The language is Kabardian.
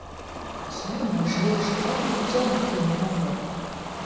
Блэр мэжей жыпӏэу и кӏэм утемыувэ.